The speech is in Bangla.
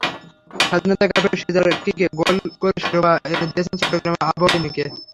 স্বাধীনতা কাপেও সিজার কিকে গোল করে শিরোপা এনে দিয়েছিলেন চট্টগ্রাম আবাহনীকে।